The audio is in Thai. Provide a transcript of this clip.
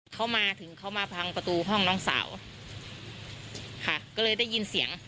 เขามาถึงเขามาพังประตูห้องน้องสาวค่ะก็เลยได้ยินเสียง